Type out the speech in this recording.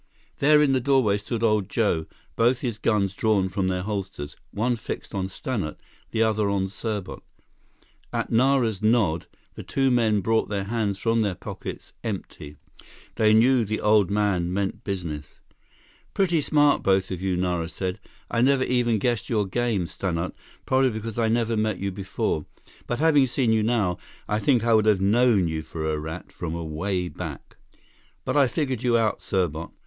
There in the doorway stood old Joe, both his guns drawn from their holsters, one fixed on Stannart, the other on Serbot. At Nara's nod, the two men brought their hands from their pockets empty. They knew the old man meant business. "Pretty smart, both of you," Nara said. "I never even guessed your game, Stannart, probably because I never met you before. But having seen you now, I think I would have known you for a rat from away back. "But I figured you out, Serbot.